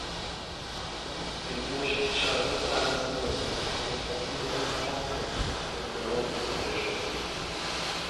Bhí na gluaiseachtaí seo ar fud an domhain sa nuacht agus bheadh fonn ort a bheith páirteach iontu agus tú i do dhuine óg, a deir Seosamh.